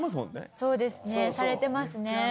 そうですねされてますね。